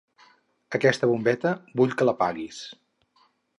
Aquesta bombeta, vull que l'apaguis.